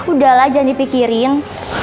udahlah jangan dipikirin